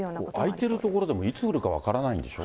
空いてる所でもいつ降るか分からないんでしょ。